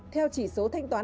theo chỉ số thanh toán